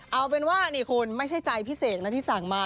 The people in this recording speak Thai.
เอาเป็นว่านี่คุณไม่ใช่ใจพี่เสกนะที่สั่งมา